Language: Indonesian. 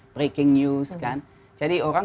breaking news kan jadi orang